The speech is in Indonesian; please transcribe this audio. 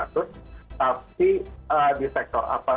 tapi di sektor apa